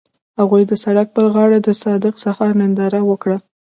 هغوی د سړک پر غاړه د صادق سهار ننداره وکړه.